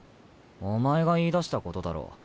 お前が言いだしたことだろ。